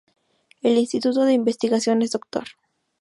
El Instituto de Investigaciones Dr.